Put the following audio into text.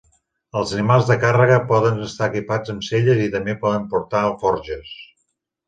Els animals de càrrega poden estar equipats amb selles i també poden portar alforges.